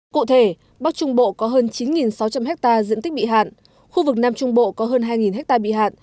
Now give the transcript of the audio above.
cụ thể bắc trung bộ có hơn chín sáu trăm linh ha diện tích bị hạn khu vực nam trung bộ có hơn hai ha bị hạn